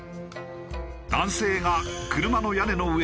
男性が車の屋根の上でポーズ。